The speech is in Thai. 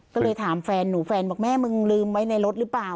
ก็เลยถามแฟนหนูแฟนบอกแม่มึงลืมไว้ในรถหรือเปล่า